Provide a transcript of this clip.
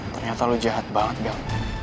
ternyata lo jahat banget kang